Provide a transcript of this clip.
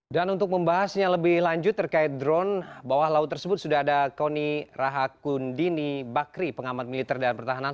dan untuk membahasnya lebih lanjut terkait drone bawah laut tersebut sudah ada koni rahakundini bakri pengamat militer dan pertahanan